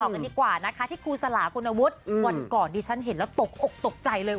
กันดีกว่านะคะที่ครูสลาคุณวุฒิวันก่อนดิฉันเห็นแล้วตกอกตกใจเลย